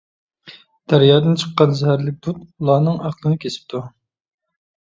دەريادىن چىققان زەھەرلىك دۇت ئۇلارنىڭ ئەقلىنى كېسىپتۇ.